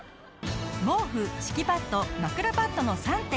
毛布敷きパッド枕パッドの３点。